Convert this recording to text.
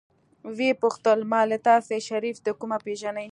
ويې پوښتل مالې تاسې شريف د کومه پېژنئ.